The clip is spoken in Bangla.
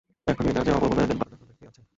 এখুনি এই কাজে অপর কোনো এজেন্ট পাঠাতে হবে, কে আছে?